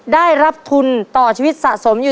ครอบครัวของแม่ปุ้ยจังหวัดสะแก้วนะครับ